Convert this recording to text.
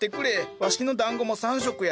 わしの団子も３色や。